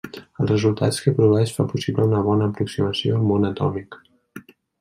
Els resultats que produeix fa possible una bona aproximació al món atòmic.